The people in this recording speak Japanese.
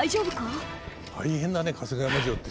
大変だね春日山城って。